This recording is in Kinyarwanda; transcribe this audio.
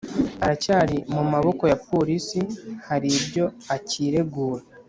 Aracyari mumaboko ya police haribyo akiregura